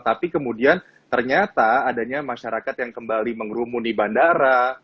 tapi kemudian ternyata adanya masyarakat yang kembali mengerumuni bandara